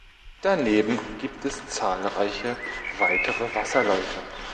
Daneben gibt es zahlreiche weitere Wasserläufe.